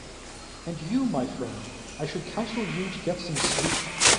And you, my friend, I should counsel you to get some sleep.